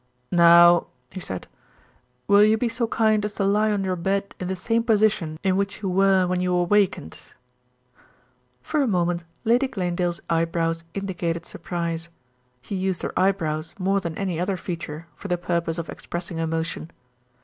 "Now," he said, "will you be so kind as to lie on your bed in the same position in which you were when you awakened." For a moment Lady Glanedale's eyebrows indicated surprise. She used her eyebrows more than any other feature for the purpose of expressing emotion.